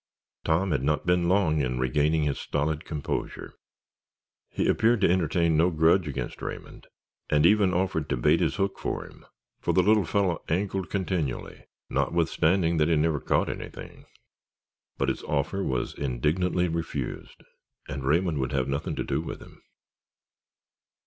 Tom had not been long in regaining his stolid composure; he appeared to entertain no grudge against Raymond, and even offered to bait his hook for him, for the little fellow angled continually, notwithstanding that he never caught anything. But his offer was indignantly refused, and Raymond would have nothing to do with him.